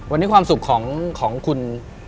วันนี้ความสุขของคุณ